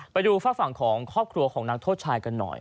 ไปดูฝากฝั่งของครอบครัวของนักโทษชายกันหน่อย